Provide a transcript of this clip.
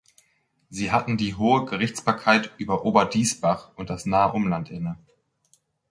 Sie hatten die hohe Gerichtsbarkeit über Oberdiessbach und das nahe Umland inne.